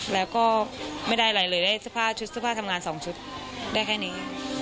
แล้วก็ไม่ได้อะไรเลยได้เสื้อผ้าชุดเสื้อผ้าทำงาน๒ชุดได้แค่นี้